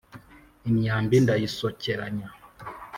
imyambi ndayisokeranya